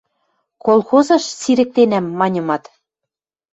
«Колхозыш сирӹктенӓм», – маньымат.